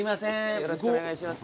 よろしくお願いします。